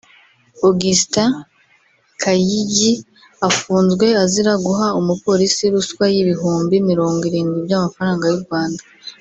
Augustin Kayigi afunzwe azira guha umupolisi ruswa y’ibihumbi mirongo irindwi by’amafaranga y’u Rwanda